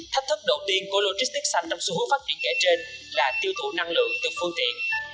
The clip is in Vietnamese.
thách thức đầu tiên của logistics xanh tâm sưu hữu phát triển kẻ trên là tiêu thụ năng lượng từ phương tiện